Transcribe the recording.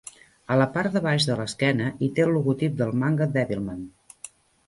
A la part de baix de l'esquena, hi té el logotip del manga Devilman.